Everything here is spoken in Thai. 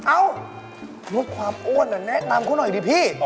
ลดความอ้วนแนะนำเขาหน่อยดิพี่